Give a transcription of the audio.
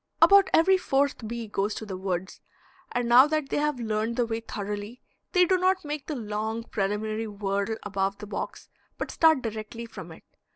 About every fourth bee goes to the woods, and now that they have learned the way thoroughly they do not make the long preliminary whirl above the box, but start directly from it.